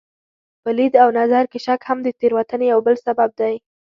په لید او نظر کې شک هم د تېروتنې یو بل سبب دی.